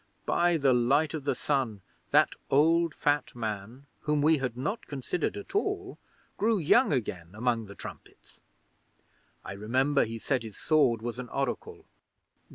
By the Light of the Sun, that old fat man, whom we had not considered at all, grew young again among the trumpets! I remember he said his sword was an oracle!